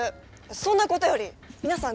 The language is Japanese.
そんなことより皆さん